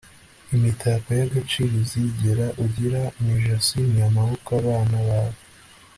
imitako y'agaciro uzigera ugira mu ijosi ni amaboko abana bawe